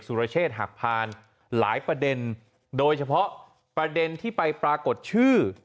รเชษฐหักพานหลายประเด็นโดยเฉพาะประเด็นที่ไปปรากฏชื่อ